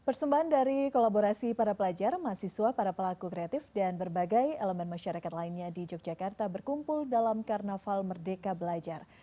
persembahan dari kolaborasi para pelajar mahasiswa para pelaku kreatif dan berbagai elemen masyarakat lainnya di yogyakarta berkumpul dalam karnaval merdeka belajar